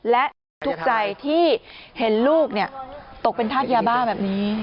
และทุกใส่ที่เห็นลูกตกเป็นทาสยาบ้าแบบนี้